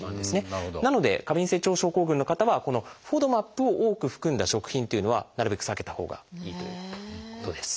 なので過敏性腸症候群の方はこのＦＯＤＭＡＰを多く含んだ食品というのはなるべく避けたほうがいいということです。